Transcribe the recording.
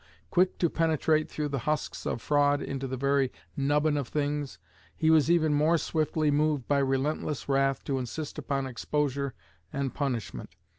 Quick to penetrate through the husks of fraud into the very nubbin of things, he was even more swiftly moved by relentless wrath to insist upon exposure and punishment.